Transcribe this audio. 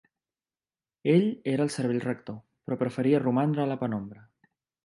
Ell era el cervell rector, però preferia romandre a la penombra.